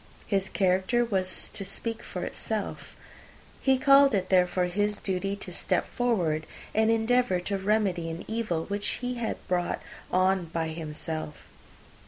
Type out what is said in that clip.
His character was to speak for itself. He called it, therefore, his duty to step forward, and endeavour to remedy an evil which had been brought on by himself.